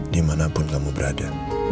dimanapun kamu berada